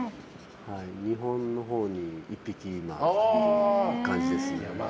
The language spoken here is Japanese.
日本のほうに１匹という感じですね。